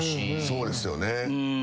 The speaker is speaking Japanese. そうですよね。